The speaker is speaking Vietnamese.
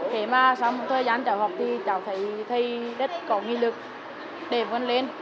thế mà sau một thời gian cháu học thì cháu thấy thầy rất có nghị lực để vươn lên